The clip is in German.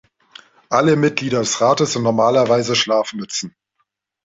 Alle Mitglieder des Rates sind normalerweise Schlafmützen.